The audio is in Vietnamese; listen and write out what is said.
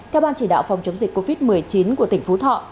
theo ban chỉ đạo phòng chống dịch covid một mươi chín của tỉnh phú thọ